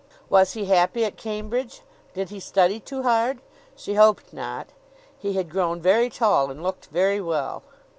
Was he happy at Cambridge? Did he study too hard? She hoped not. He had grown very tall, and looked very well.